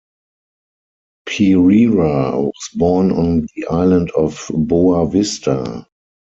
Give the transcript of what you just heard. Pereira was born on the island of Boa Vista.